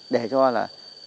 để cho là